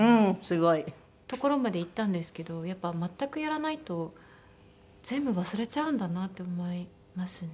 すごい！ところまでいったんですけどやっぱり全くやらないと全部忘れちゃうんだなって思いますね。